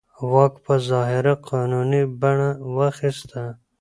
واک په ظاهره قانوني بڼه واخیسته.